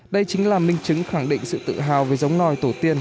đây chính là minh chứng khẳng định sự tự hào về giống nòi tổ tiên